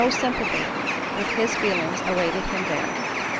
109 sympathy with his feelings awaited him there.